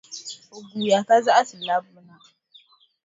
O guuya ka zaɣisi labbu na.